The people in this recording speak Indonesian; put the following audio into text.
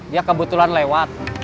dia kebetulan lewat